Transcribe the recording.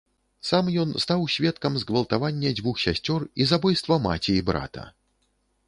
Сам ён стаў сведкам згвалтавання дзвюх сясцёр і забойства маці і брата.